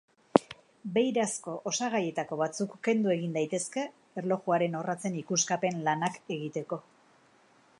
Beirazko osagaietako batzuk kendu egin daitezke, erlojuaren orratzen ikuskapen-lanak egiteko.